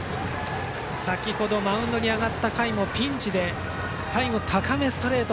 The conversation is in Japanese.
先程マウンドに上がった回もピンチで最後、高めストレート